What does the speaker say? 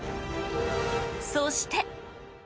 そして。